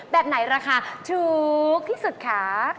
แบบไหนราคาถูกที่สุดคะ